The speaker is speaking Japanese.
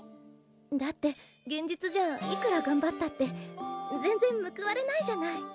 だって現実じゃいくらがんばったって全然むくわれないじゃない。